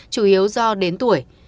chủ yếu do đến tuổi